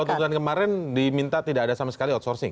kalau dugaan kemarin diminta tidak ada sama sekali outsourcing